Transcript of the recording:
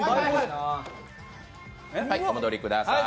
はい、お戻りください。